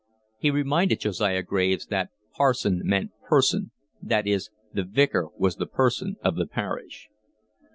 He reminded Josiah Graves that parson meant person, that is, the vicar was the person of the parish.